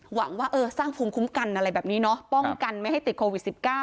หวังว่าสร้างภูมิคุ้มกันป้องกันไม่ให้ติดโควิด๑๙